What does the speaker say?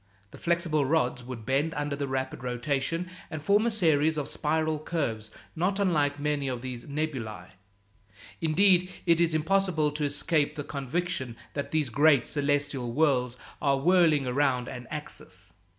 The flexible rods would bend under the rapid rotation, and form a series of spiral curves not unlike many of these nebulæ. Indeed, it is impossible to escape the conviction that these great celestial whorls are whirling around an axis.